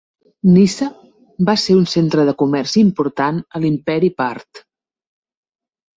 Nisa va ser un centre de comerç important a l'imperi Part.